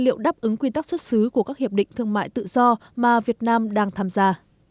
liệu đáp ứng quy tắc xuất xứ của các hiệp định thương mại tự do mà việt nam đang tham gia